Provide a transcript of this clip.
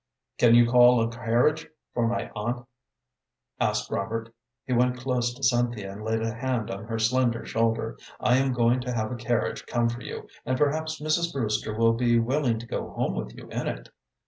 "Can you call a carriage for my aunt?" asked Robert. He went close to Cynthia and laid a hand on her slender shoulder. "I am going to have a carriage come for you, and perhaps Mrs. Brewster will be willing to go home with you in it."